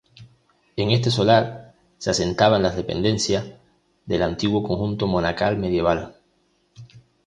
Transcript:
En este solar se asentaban las dependencia del antiguo conjunto monacal medieval.